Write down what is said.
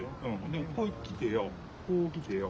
でこう来てよこう来てよ